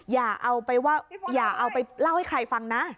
อย่าเอาไปเล่าให้ใครฟังนะ